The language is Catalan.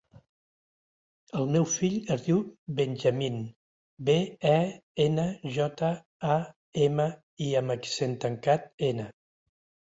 El meu fill es diu Benjamín: be, e, ena, jota, a, ema, i amb accent tancat, ena.